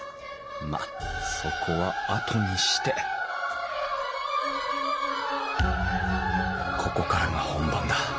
まあそこはあとにしてここからが本番だ。